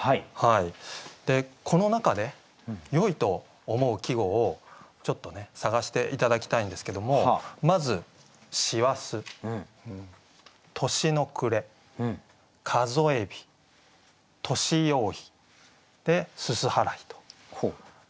この中でよいと思う季語をちょっとね探して頂きたいんですけどもまず「師走」「年の暮」「数へ日」「年用意」「煤払」と。